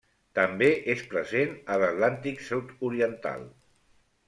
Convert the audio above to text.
També és present a l'Atlàntic sud-oriental.